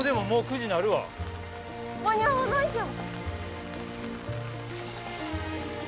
間に合わないじゃん。